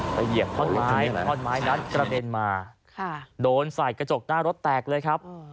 เหยียบท่อนไม้ท่อนไม้นั้นกระเด็นมาโดนใส่กระจกหน้ารถแตกเลยครับ